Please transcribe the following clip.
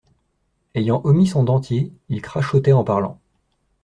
Ayant omis son dentier, il crachotait en parlant.